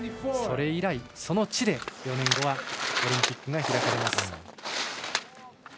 それ以来、その地で４年後はオリンピックが開かれます。